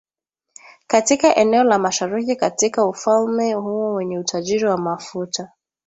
katika eneo la mashariki katika ufalme huo wenye utajiri wa mafuta